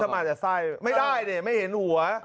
หรือถ้ามาจากไส้ไม่ได้เนี่ยไม่เห็นหัว